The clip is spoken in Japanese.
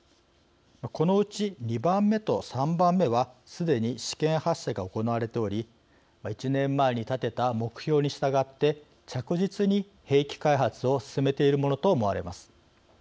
このうち、２番目と３番目はすでに試験発射が行われており１年前に立てた目標に従って、着実に兵器開発を進めているものと思われます。